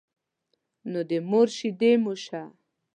نو د مور شيدې مو شه.